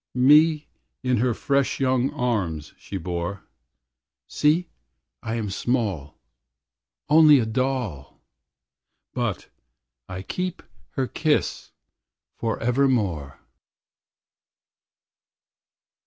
Me in her fresh young arms she bore. See, I am small, Only a doll. But I keep her kiss forevermore.